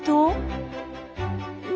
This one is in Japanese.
お！